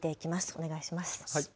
お願いします。